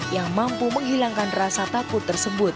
yang mampu menghilangkan rasa takut tersebut